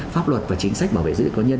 pháp luật và chính sách bảo vệ dữ liệu cá nhân